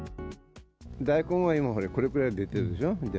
大根は今、これくらい出てるでしょ。